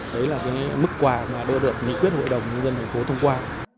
đấy là cái mức quà mà đưa được nghị quyết hội đồng nhân dân thành phố thông qua